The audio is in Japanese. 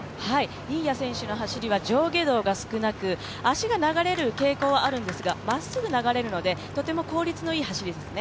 新谷選手の走りは上下動が少なく、足が流れる傾向はあるんですが、まっすぐ流れるのでとても効率のいい走りですね。